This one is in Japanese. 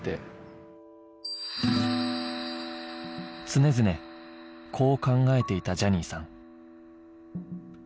常々こう考えていたジャニーさん